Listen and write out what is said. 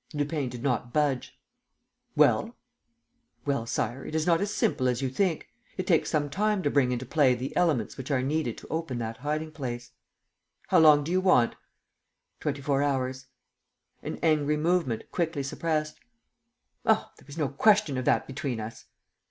Lupin did not budge. "Well?" "Well, Sire, it is not as simple as you think. It takes some time to bring into play the elements which are needed to open that hiding place." "How long do you want?" "Twenty four hours." An angry movement, quickly suppressed: "Oh, there was no question of that between us!"